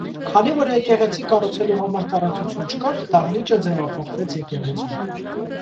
Քանի որ եկեղեցի կառուցելու համար տարածություն չկար, դահլիճը ձևափոխվեց եկեղեցու։